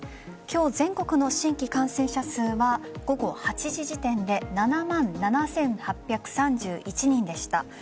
今日、全国の新規感染者数は午後８時時点で７万７８３１人でした。